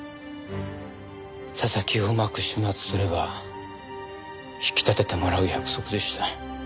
佐々木をうまく始末すれば引き立ててもらう約束でした。